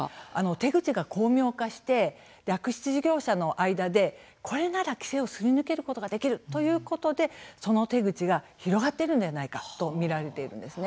手口が巧妙化して悪質業者の間で、これなら規制をすり抜けることができるということでその手口が広がっているのではないかと見られています。